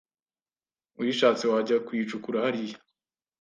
uyishatse wajya kuyicukura hariya